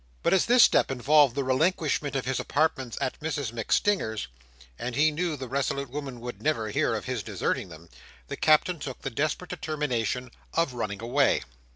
But as this step involved the relinquishment of his apartments at Mrs MacStinger's, and he knew that resolute woman would never hear of his deserting them, the Captain took the desperate determination of running away.